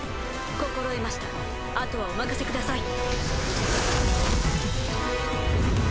心得ましたあとはお任せください。